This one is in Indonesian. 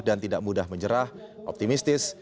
dan tidak mudah menjerah optimistis